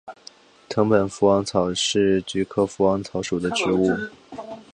藤本福王草是菊科福王草属的植物。